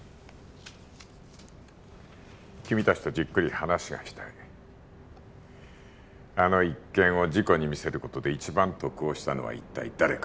君達とじっくり話がしたいあの一件を事故に見せることで一番得をしたのは一体誰か？